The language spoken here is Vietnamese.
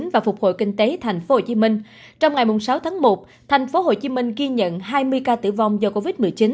và phục hồi kinh tế tp hcm trong ngày sáu tháng một tp hcm ghi nhận hai mươi ca tử vong do covid một mươi chín